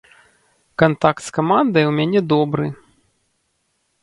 Кантакт з камандай у мяне добры.